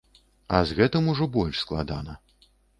А з гэтым ужо больш складана.